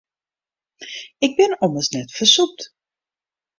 Ik bin ommers net fersûpt.